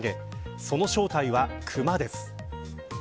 その正体はクマです。